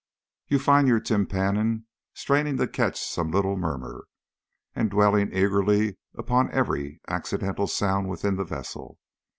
You find your tympanum straining to catch some little murmur, and dwelling eagerly upon every accidental sound within the vessel.